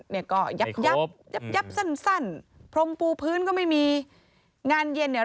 เนี่ยก็ยับยับยับยับสั้นพรมปูพื้นก็ไม่มีงานเย็นเนี่ย